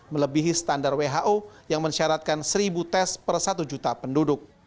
melebihi standar who yang mensyaratkan seribu tes per satu juta penduduk